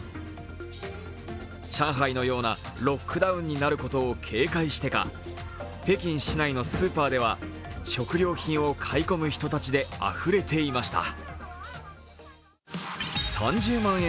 上海のようなロックダウンになることを警戒してか北京市内のスーパーでは、食料品を買い込む人たちであふれていました。